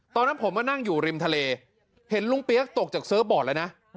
ตอนนั้นผมมานั่งอยู่ริมทะเลเห็นลุงเปี๊ยกตกจากเซิร์ฟบอร์ดแล้วนะ